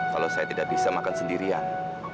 kalau saya tidak bisa makan sendirian